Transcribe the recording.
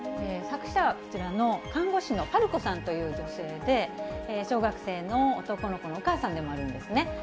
作者はこちらの看護師のぱるこさんという女性で、小学生の男の子のお母さんでもあるんですね。